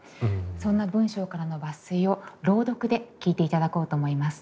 そんな文章からの抜粋を朗読で聞いていただこうと思います。